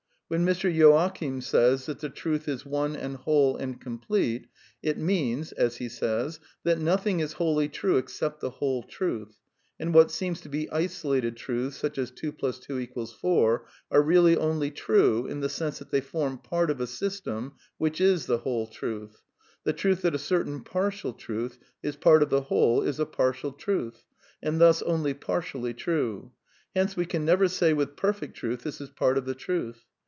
When Mr. Joachim says that " the truth is one and whole and complete " it means " that nothing is wholly true except the whole truth, and what seem to be isolated truths, such as 2 + 2 = 4 are really only true in the sense that they form part of a system which is th whole truth ... the truth that a certain partial truth is part of the whole is a partial truth, and thus only partially true; hence we can never say with perfect truth this is part of the Truth.